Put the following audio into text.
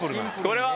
これは⁉